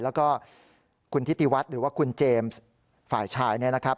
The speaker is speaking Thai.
แล้วก็คุณทิติวัฒน์หรือว่าคุณเจมส์ฝ่ายชายเนี่ยนะครับ